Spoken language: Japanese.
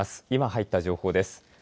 今入った情報です。